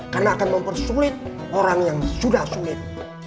karena akan mempersulit orang yang sudah sulit